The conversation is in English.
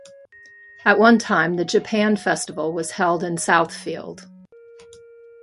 At one time the Japan Festival was held in Southfield.